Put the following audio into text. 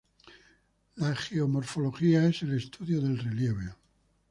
La geomorfología es el estudio del relieve.